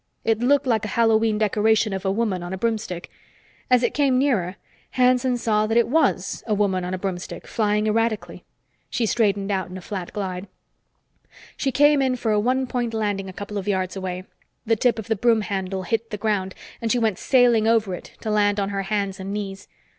It looked like a Hallowe'en decoration of a woman on a broomstick. As it came nearer, Hanson saw that it was a woman on a broomstick, flying erratically. She straightened out in a flat glide. She came in for a one point landing a couple of yards away. The tip of the broom handle hit the ground, and she went sailing over it, to land on her hands and knees.